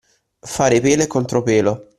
Fare pelo e contropelo.